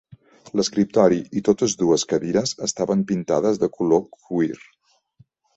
L'escriptori i totes dues cadires estaven pintades de color cuir.